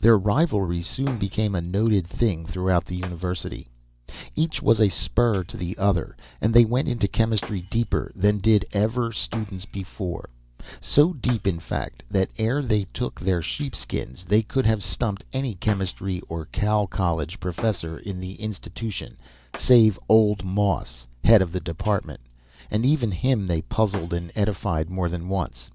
Their rivalry soon became a noted thing throughout the university. Each was a spur to the other, and they went into chemistry deeper than did ever students before—so deep, in fact, that ere they took their sheepskins they could have stumped any chemistry or "cow college" professor in the institution, save "old" Moss, head of the department, and even him they puzzled and edified more than once.